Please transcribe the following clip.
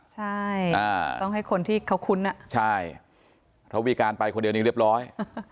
ใช่ต้องให้คนที่เขาคุ้นอ่ะใช่เพราะมีการไปคนเดียวนี้เรียบร้อย